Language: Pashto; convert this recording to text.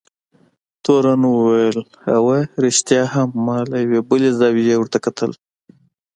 تورن وویل: اوه، رښتیا هم، ما له یوې بلې زاویې ورته کتل.